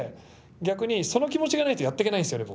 逆にその気持ちがないとやってけないんですよね